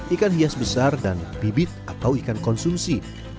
ikan hias besar dan bibit atau ikan konsumsi